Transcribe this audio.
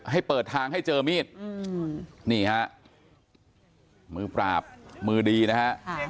ให้เปิดทางให้เจอมีดนี่ฮะมือปราบมือดีนะฮะ